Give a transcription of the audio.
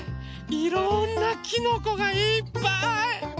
いろんなきのこがいっぱい！